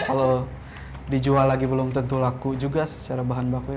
kalau dijual lagi belum tentu laku juga secara bahan baku ya